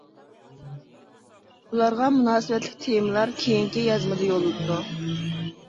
بۇلارغا مۇناسىۋەتلىك تېمىلار كېيىنكى يازمىدا يوللىنىدۇ.